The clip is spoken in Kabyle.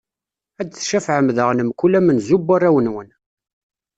Ad d-tcafɛem daɣen mkul amenzu n warraw-nwen.